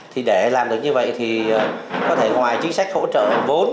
thì để làm được như vậy thì có thể ngoài chính sách hỗ trợ vốn